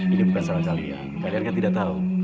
ini bukan salah kalian kalian kan tidak tahu